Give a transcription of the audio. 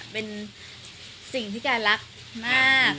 เป็นสิ่งที่แกรักมาก